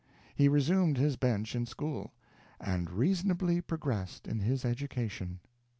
He resumed his bench in school, "and reasonably progressed in his education."